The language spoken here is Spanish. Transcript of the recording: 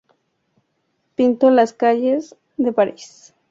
Pintó las calles de Paris.